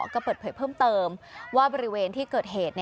ก็เปิดเผยเพิ่มเติมว่าบริเวณที่เกิดเหตุ